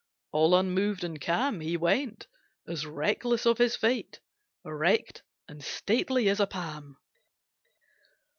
All unmoved and calm, He went, as reckless of his fate, Erect and stately as a palm.